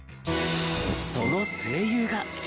その声優が。